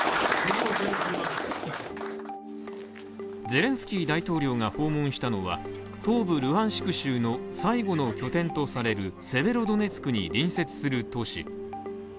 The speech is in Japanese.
ゼレンスキー大統領が訪問したのは、東部ルハンシク州の最後の拠点とされるセベロドネツクに隣接する都市。